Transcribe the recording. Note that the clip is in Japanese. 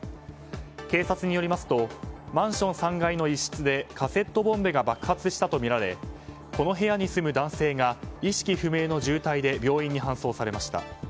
警察によりますとマンション３階の一室でカセットボンベが爆発したとみられこの部屋に住む男性が意識不明の重体で病院に搬送されました。